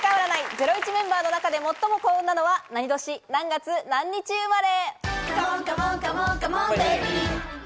ゼロイチメンバーの中で最も幸運なのは何年何月何日生まれ？